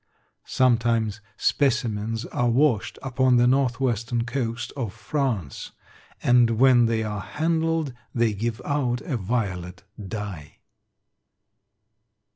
Sometimes specimens are washed upon the northwestern coast of France, and when they are handled they give out a violet dye.